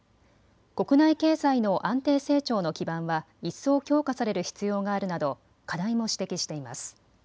国内経済の安定成長の基盤は一層強化される必要があるなど課題も指摘しています。